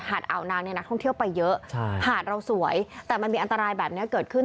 อ่าวนางเนี่ยนักท่องเที่ยวไปเยอะใช่หาดเราสวยแต่มันมีอันตรายแบบนี้เกิดขึ้น